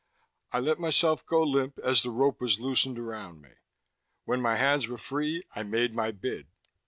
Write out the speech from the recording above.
I let myself go limp as the rope was loosened around me; when my hands were free I made my bid.